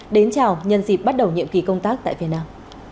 đến chào nhân dịp bắt đầu nhiệm kỳ công tác tại việt nam